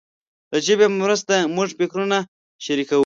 د ژبې په مرسته موږ خپل فکرونه شریکوو.